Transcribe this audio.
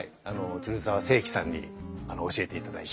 鶴澤清馗さんに教えていただいて。